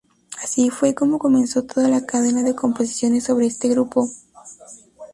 Así fue como comenzó toda la cadena de composiciones sobre este grupo.